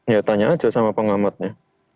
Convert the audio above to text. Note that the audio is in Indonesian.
ya tanya aja sama pengamatnya